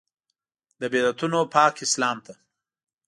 له بدعتونو پاک اسلام ته.